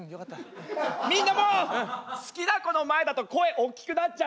みんなも好きな子の前だと声おっきくなっちゃう？